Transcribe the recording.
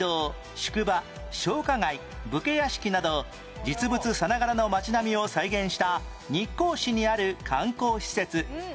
宿場商家街武家屋敷など実物さながらの街並みを再現した日光市にある観光施設